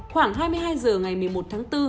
khoảng hai mươi hai h ngày một mươi một tháng bốn